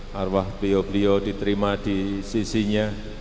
harwah beliau beliau diterima di sisinya